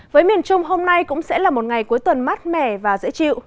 với miền trung hôm nay cũng sẽ là một ngày cuối tuần mát mẻ và dễ chịu